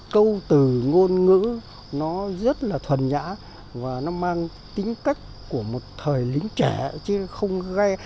câu từ ngôn ngữ nó rất là thuần nhã và nó mang tính cách của một thời lính trẻ chứ không ghe